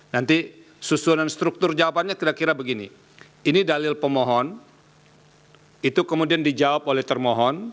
nanti susunan struktur jawabannya kira kira begini ini dalil pemohon itu kemudian dijawab oleh termohon